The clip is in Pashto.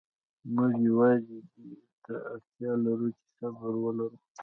موږ یوازې دې ته اړتیا لرو چې صبر ولرو.